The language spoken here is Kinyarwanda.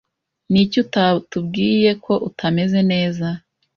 Niki utatubwiye ko utameze neza?